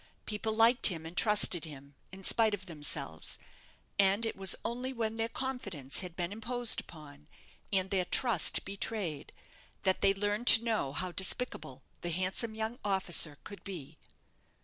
People liked him, and trusted him, in spite of themselves; and it was only when their confidence had been imposed upon, and their trust betrayed, that they learned to know how despicable the handsome young officer could be.